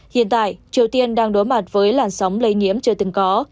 hiện tại triều tiên đang đối mặt với làn sóng lây nhiễm chưa từng có